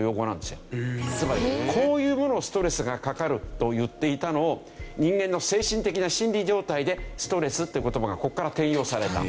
つまりこういうものを「ストレスがかかる」と言っていたのを人間の精神的な心理状態で「ストレス」っていう言葉がここから転用された。